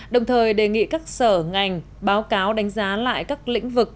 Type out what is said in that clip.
đồng thời đề nghị các sở ngành báo cáo đánh giá lại các lĩnh vực